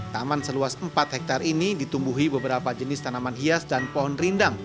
taman seluas empat hektare ini ditumbuhi beberapa jenis tanaman hias dan pohon rindang